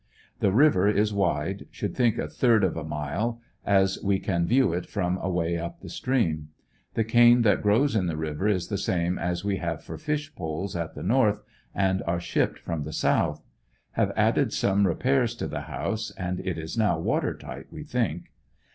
The river is wide; should think a third of a mile, as we can view it from away up the stream. The cane that grows in the river is the same as we have for fish poles at the North, and are shipped from the South. Have added some repairs to the house and it is now water tight, we think.